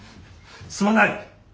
すまない！